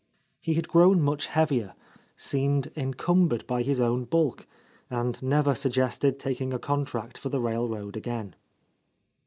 He had grown much heavier, seemed encumbered by his own bulk, and never suggested taking a contract for the railroad again.